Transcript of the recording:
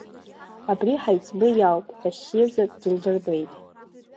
Абри ҳаиҵбы иауп, ҳәа ссирӡак дылдырбеит.